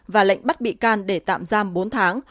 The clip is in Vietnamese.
và lệnh bắt bị can để tạm giam bốn tháng